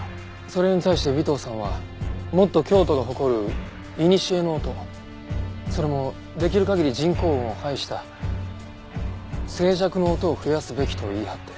それに対して尾藤さんはもっと京都が誇るいにしえの音それもできる限り人工音を排した静寂の音を増やすべきと言い張って。